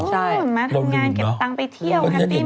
ใช่มาทำงานเก็บตังไปเที่ยว